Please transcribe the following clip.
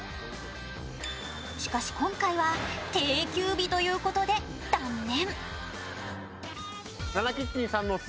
しかし、今回は定休日ということで断念。